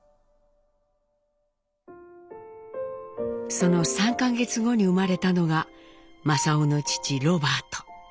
その３か月後に生まれたのが正雄の父ロバート。